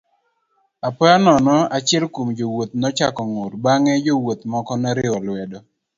Apoya nono achiel kuom jowuoth nochako ng'ur bang'e jowuoth moko noriwe lwedo.